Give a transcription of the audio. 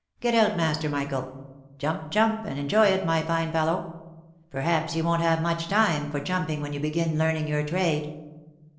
Get out master Michael. Jump, jump, and enjoy it, my fine fellow ! Perhaps you won't have much time for jumping when you begin learning your trade."